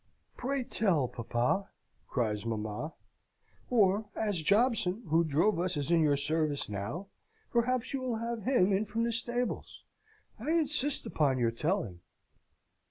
"Pray tell, papa!" cries mamma: "or, as Jobson, who drove us, is in your service now, perhaps you will have him in from the stables! I insist upon your telling!"